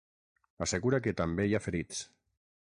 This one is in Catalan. Assegura que també hi ha ferits.